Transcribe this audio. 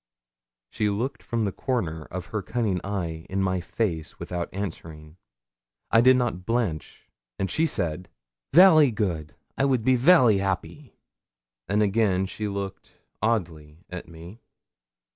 She looked from the corner of her cunning eye in my face without answering. I did not blench, and she said 'Vary good. I would be vary 'appy,' and again she looked oddly at me.